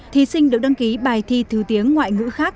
thí sinh được đăng ký bài thi thứ tiếng ngoại ngữ khác